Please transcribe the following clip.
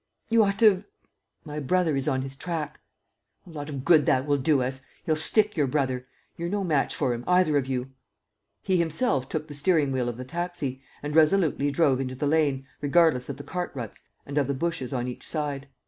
. you ought to have ..." "My brother is on his track." "A lot of good that will do us! He'll stick your brother. You're no match for him, either of you!" He himself took the steering wheel of the taxi, and resolutely drove into the lane, regardless of the cart ruts and of the bushes on each side.